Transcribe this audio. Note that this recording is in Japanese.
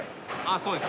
そうです。